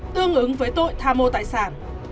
tương ứng với tội tham mô tài sản